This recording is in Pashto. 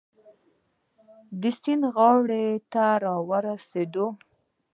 د سیند غاړې ته را ورسېدو.